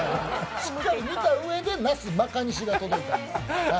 しっかり見た上で、「なすまかにし」が届いたんです。